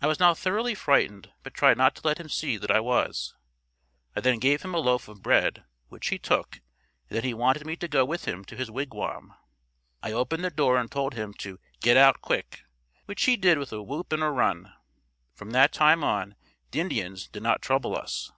I was now thoroughly frightened but tried not to let him see that I was. I then gave him a loaf of bread, which he took and then he wanted me to go with him to his wigwam. I opened the door and told him to "Get out quick," which he did with a whoop and a run. From that time on the Indians did not trouble us.